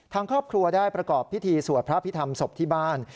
ทางครอบครัวได้ประกอบพิธีสวดพระพิธรรมศพที่บ้าน